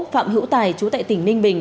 phạm hữu tài chú tại tỉnh ninh bình